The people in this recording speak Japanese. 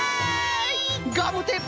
ガムテープ